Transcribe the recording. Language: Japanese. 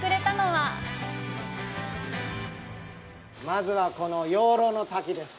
まずは、この養老の滝です。